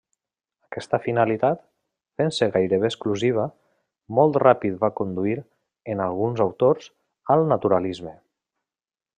Aquesta finalitat, fent-se gairebé exclusiva, molt ràpid va conduir, en alguns autors, al Naturalisme.